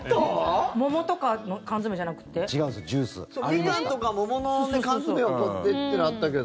ミカンとか桃の缶詰はこうやってっていうのはあったけど。